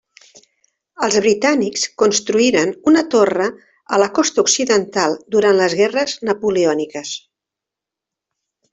Els britànics construïren una torre a la costa occidental durant les Guerres napoleòniques.